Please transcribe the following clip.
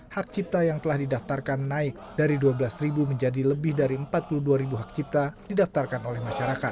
hak cipta yang telah didaftarkan naik dari dua belas menjadi lebih dari empat puluh dua hak cipta didaftarkan oleh masyarakat